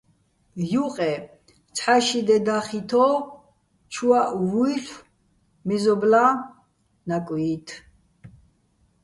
ჲუყე ცჰ̦ა-ში დე დახითო́, ჩუაჸ ვუჲლ'ო̆ მეზობლა́ ნაკვი́თ.